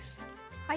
はい。